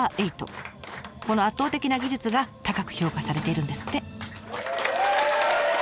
この圧倒的な技術が高く評価されているんですって。